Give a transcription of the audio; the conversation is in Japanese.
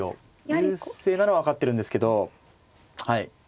優勢なのは分かってるんですけど。